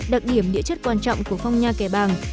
đặc điểm địa chất quan trọng của phong nha kẻ bàng